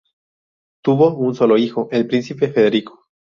Tuvo un solo hijo, el príncipe Federico.